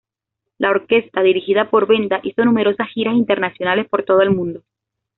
La orquesta, dirigida por Benda, hizo numerosas giras internacionales por todo el mundo.